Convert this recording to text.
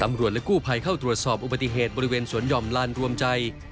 และกู้ภัยเข้าตรวจสอบอุบัติเหตุบริเวณสวนห่อมลานรวมใจ